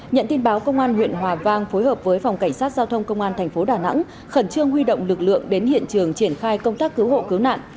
nhận tin báo công an huyện hòa vang phối hợp với phòng cảnh sát giao thông công an tp đà nẵng khẩn trương huy động lực lượng đến hiện trường triển khai công tác cứu hộ cứu nạn